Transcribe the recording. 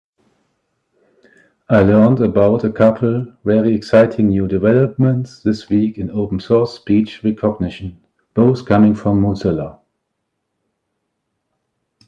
I learned about a couple very exciting new developments this week in open source speech recognition, both coming from Mozilla.